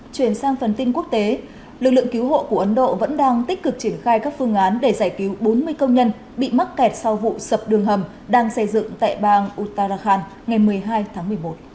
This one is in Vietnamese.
chuyển sang phần tin quốc tế lực lượng cứu hộ của ấn độ vẫn đang tích cực triển khai các phương án để giải cứu bốn mươi công nhân bị mắc kẹt sau vụ sập đường hầm đang xây dựng tại bang uttarakhand ngày một mươi hai tháng một mươi một